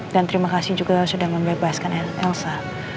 dan terima kasih juga sudah membebaskan elsa